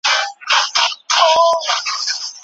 اسلام انسانانو ته د معاشرت او استفادې طريقې ښوولي دي